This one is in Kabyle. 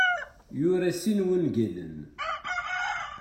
Yura sin wungalen.